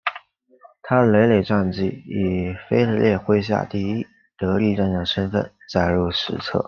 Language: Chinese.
他的累累战绩以腓特烈麾下第一得力战将的身份载入史册。